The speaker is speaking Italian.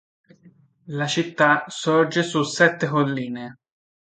La città sorge su sette colline.